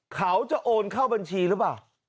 เขาจะโอนเข้าบัญชีหรือเปล่า